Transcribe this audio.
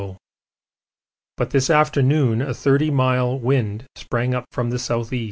But this afternoon a 30 mile wind sprang up from the S.E.